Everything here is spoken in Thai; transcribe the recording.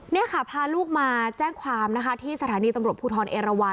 นี่ค่ะพาลูกมาแจ้งความนะคะที่สถานีตำรวจภูทรเอราวัน